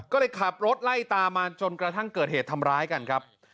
ก็เลยขับรถไล่ตามมาจนกระทั่งเกิดเหตุทำร้ายกันครับ